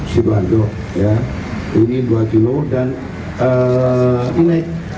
sidoarjo ini dua kg dan empat seratus